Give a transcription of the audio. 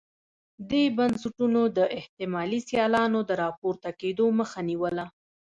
دې بنسټونو د احتمالي سیالانو د راپورته کېدو مخه نیوله.